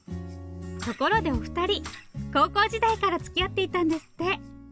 ところでお二人高校時代からつきあっていたんですって。